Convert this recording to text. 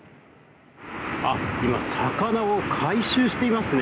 あっ、今、魚を回収していますね。